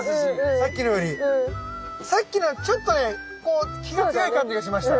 さっきのはちょっとねこう気が強い感じがしました。